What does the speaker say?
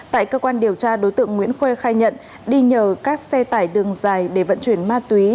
tại cơ quan điều tra đối tượng nguyễn khuê khai nhận đi nhờ các xe tải đường dài để vận chuyển ma túy